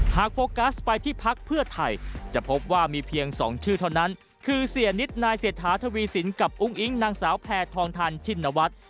โฟกัสไปที่พักเพื่อไทยจะพบว่ามีเพียง๒ชื่อเท่านั้นคือเสียนิดนายเศรษฐาทวีสินกับอุ้งอิ๊งนางสาวแพทองทันชินวัฒน์